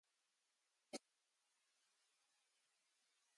The London plane is particularly popular for this purpose.